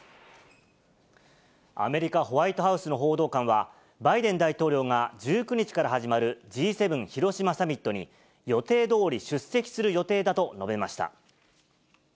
アメリカ、ホワイトハウスの報道官は、バイデン大統領が１９日から始まるＧ７広島サミットに、予定どおり出席する予定だと述べました。